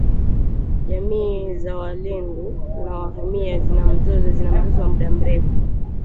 Jamii za walendu na wahema zina mzozo, zina mzozo wa muda mrefu